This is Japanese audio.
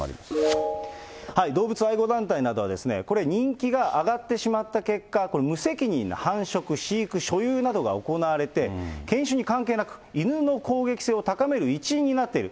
動物愛護団体などは、これ、人気が上がってしまった結果、これ、無責任な繁殖、飼育、所有などが行われて、犬種に関係なく、犬の攻撃性を高める一因になっている。